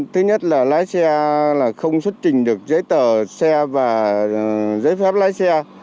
thứ nhất là lái xe là không xuất trình được giấy tờ xe và giấy phép lái xe